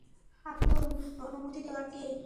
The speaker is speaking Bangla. আপনি অনুমতি দেয়ার কে?